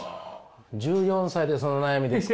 １４歳でその悩みですか。